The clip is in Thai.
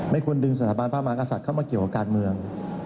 ไม่ควรดึงสถาบันพระมหากษัตริย์เข้ามาเกี่ยวกับการเมือง